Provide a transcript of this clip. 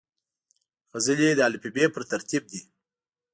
غزلې د الفبې پر ترتیب دي.